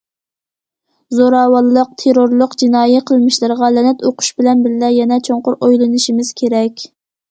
زوراۋانلىق، تېررورلۇق جىنايى قىلمىشلىرىغا لەنەت ئوقۇش بىلەن بىللە، يەنە چوڭقۇر ئويلىنىشىمىز كېرەك.